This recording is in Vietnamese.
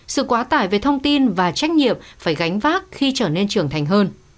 sự quá tải về thông tin và trách nhiệm phải gánh vác khi trở nên trưởng thành hơn